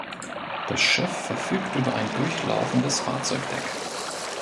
Das Schiff verfügt über ein durchlaufendes Fahrzeugdeck.